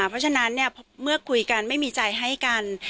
เพราะฉะนั้นเมื่อคุยกันไม่มีใจให้กัน